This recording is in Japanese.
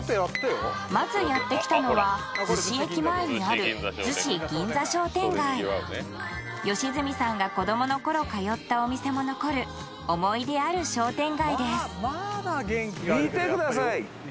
まずやってきたのは逗子駅前にある良純さんが子どもの頃通ったお店も残る思い出ある商店街です見てください